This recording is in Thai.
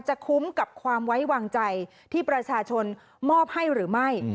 คุ้มกับความไว้วางใจที่ประชาชนมอบให้หรือไม่